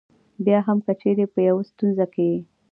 بیا هم که چېرې په یوې ستونزه کې یې.